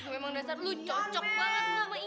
memang dasar lu cocok banget sama ian